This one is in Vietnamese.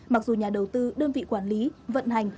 mặc dù nhà đầu tư đơn vị quản lý vận hành